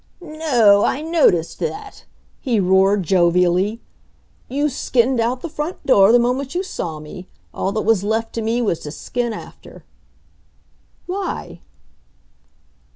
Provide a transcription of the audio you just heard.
"No, I noticed that," he roared jovially. "You skinned out the front door the moment you saw me. All that was left to me was to skin after." "Why?"